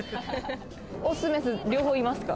オス・メス、両方いますか？